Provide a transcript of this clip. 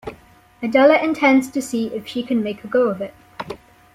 Adela intends to see if she can make a go of it.